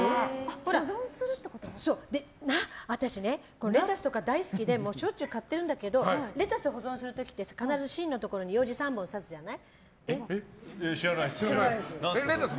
私ね、レタスとか大好きでしょっちゅう買ってるんだけどレタス保存する時って必ず芯のところに知らないです。